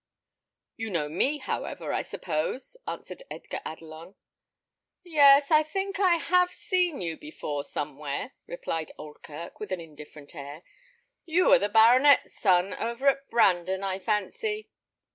"You know me, however, I suppose?" answered Edgar Adelon. "Yes, I think I have seen you before somewhere," replied Oldkirk, with an indifferent air. "You are the baronet's son over at Brandon, I fancy."